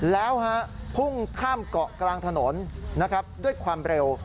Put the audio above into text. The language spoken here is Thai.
แล้วพุ่งข้ามเกาะกลางถนนนะครับด้วยความเร็ว